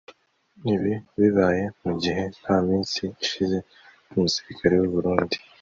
Ibi bibaye mu gihe nta minsi ishize umusirikare w’u Burundi